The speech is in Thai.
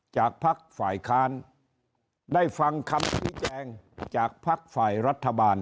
พักฝ่ายค้านได้ฟังคำชี้แจงจากภักดิ์ฝ่ายรัฐบาล